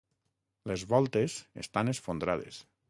Les voltes estan esfondrades.